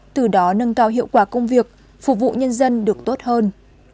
từ đó nâng cao hiệu quả công việc phục vụ nhân dân được tốt hơn